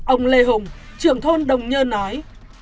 ông lê hùng trưởng thôn đồng nhơn nói